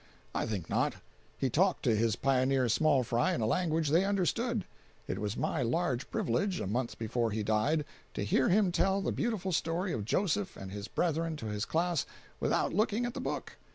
I think not. He talked to his pioneer small fry in a language they understood! It was my large privilege, a month before he died, to hear him tell the beautiful story of Joseph and his brethren to his class "without looking at the book."